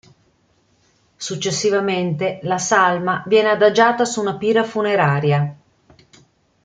Successivamente la salma viene adagiata su una pira funeraria.